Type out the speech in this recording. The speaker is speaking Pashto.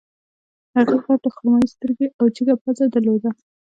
هغې غټې خرمايي سترګې او جګه پزه درلوده